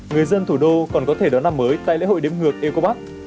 người dân thủ đô còn có thể đón năm mới tại lễ hội đếm ngược ecob